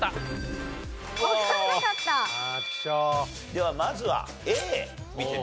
ではまずはＡ見てみましょう。